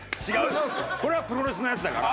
これはプロレスのやつだから。